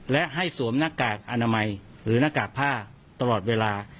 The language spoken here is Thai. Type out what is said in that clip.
และให้สวมหน้ากากอนามัยหรือหน้ากากผ้าตลอดเวลา